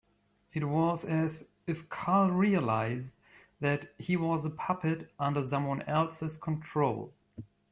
It was as if Carl realised that he was a puppet under someone else's control.